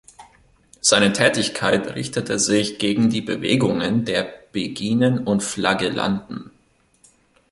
Seine Tätigkeit richtete sich gegen die Bewegungen der Beginen und Flagellanten.